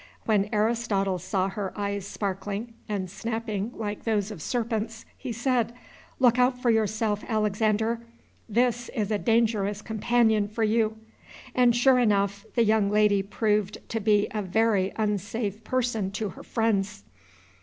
"When Aristotle saw her eyes sparkling and snapping like those of serpents, he said, 'Look out for yourself, Alexander! this is a dangerous companion for you!'" and sure enough, the young lady proved to be a very unsafe person to her friends.